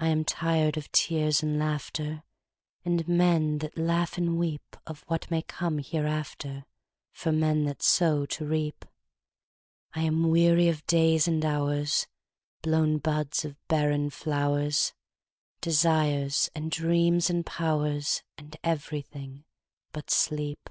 I am tired of tears and laughter, And men that laugh and weepOf what may come hereafterFor men that sow to reap:I am weary of days and hours, Blown buds of barren flowers, Desires and dreams and powersAnd everything but sleep.